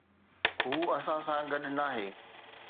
هو اسان سان گڏ ناهي.